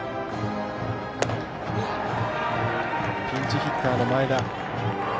ピンチヒッターの前田。